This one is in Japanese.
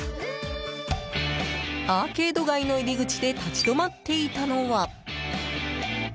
アーケード街の入り口で立ち止まっていたのは。